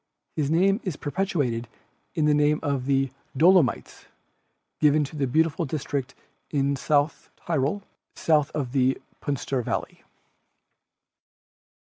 His name is perpetuated in the name of the "Dolomites," given to the beautiful district in South Tyrol, south of the Puster Valley.